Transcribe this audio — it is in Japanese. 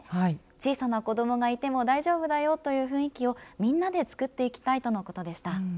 小さな子どもがいても大丈夫だよという雰囲気をみんなで、つくっていきたいとのことでした。